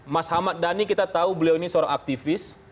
mas ahmad dhani kita tahu beliau ini seorang aktivis